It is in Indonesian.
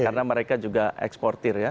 karena mereka juga eksportir ya